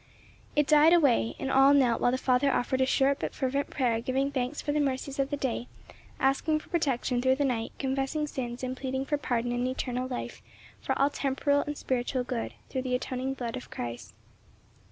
It died away, and all knelt while the father offered a short but fervent prayer giving thanks for the mercies of the day, asking for protection through the night, confessing sins and pleading for pardon and eternal life, for all temporal and spiritual good, through the atoning blood of Christ.